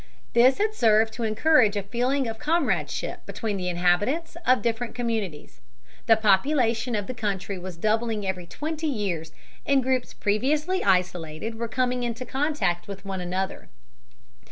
This had served to encourage a feeling of comradeship between the inhabitants of different communities. The population of the country was doubling every twenty years, and groups previously isolated were coming into contact with one another.